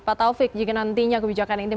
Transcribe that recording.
pak taufik jika nantinya kebijakan ini